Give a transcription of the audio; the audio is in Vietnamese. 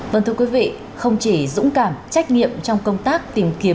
vâng thưa quý vị không chỉ dũng cảm trách nghiệm trong công tác tìm kiếm người bị nạn